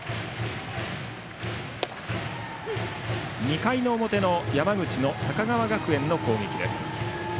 ２回の表の山口の高川学園の攻撃。